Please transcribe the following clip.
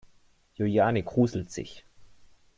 Juliane gruselt sich.